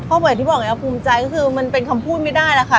เพราะแบบที่บอกอย่างนี้ภูมิใจก็คือมันเป็นคำพูดไม่ได้แล้วค่ะ